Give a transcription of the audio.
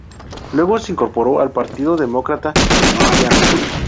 Luego, se incorporó al Partido Demócrata Cristiano.